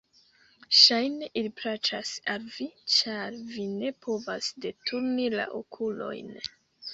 Ŝajne, ili plaĉas al vi, ĉar vi ne povas deturni la okulojn!